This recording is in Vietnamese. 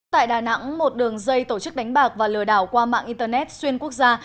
tại đà nẵng một đường dây tổ chức đánh bạc và lừa đảo qua mạng internet xuyên quốc gia